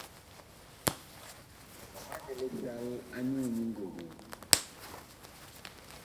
Wa manɛ lisal anyuu nyi ngogoo ?